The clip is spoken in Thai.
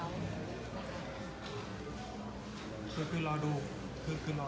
เหมือนต้นได้คุยไว้ด้วยได้ไงบ้าง